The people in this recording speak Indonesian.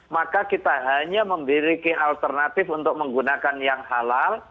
maka kita hanya memiliki alternatif untuk menggunakan yang halal